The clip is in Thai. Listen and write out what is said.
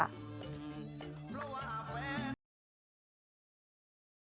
เป็นราชาเพลงที่สุดในประเทศไทยค่ะ